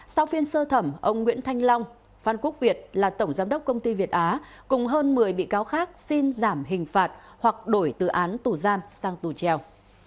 sau phiên sơ thẩm ông nguyễn thanh long phan quốc việt là tổng giám đốc công ty việt á cùng hơn một mươi bị cáo khác xin giảm hình phạt hoặc đổi từ án tù giam sang tù treo